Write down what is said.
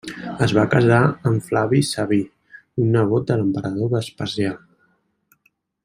Es va casar amb Flavi Sabí un nebot de l'emperador Vespasià.